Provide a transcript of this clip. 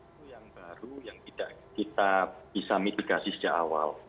itu yang baru yang tidak kita bisa mitigasi sejak awal